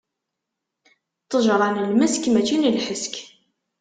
Ṭṭejṛa n lmesk, mačči d lḥesk.